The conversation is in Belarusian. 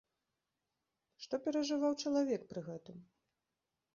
Што перажываў чалавек пры гэтым?